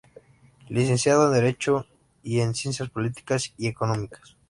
Licenciado en Derecho y en Ciencias Políticas y Económicas.